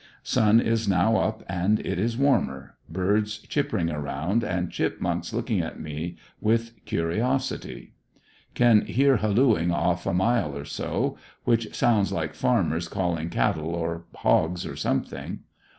Sun is now up and it is warmer; birds chippering around, and chipmunks looking at me with curiosity. Can hear hallooing off a mile or so, which sounds like farmers call ing cattle or hogs or something.